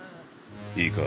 いいか？